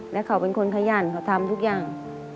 แล้วเขาเป็นคนขยันเขาทำทุกอย่าง